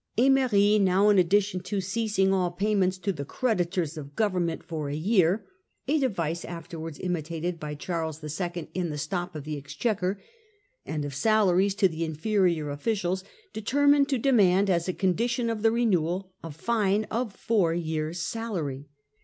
fernery now, in addition to ceasing all payments to the creditors of government for a year (a device afterwards imitated by Charles II. in the * Stop of the exchequer') and of salaries to the inferior officials, determined to demand as a condition of renewal a fine of four years* salary.